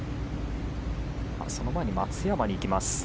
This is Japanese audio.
その前に松山にいきます。